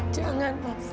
jangan vier pak